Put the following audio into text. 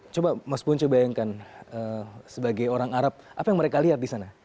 coba mas punco bayangkan sebagai orang arab apa yang mereka lihat di sana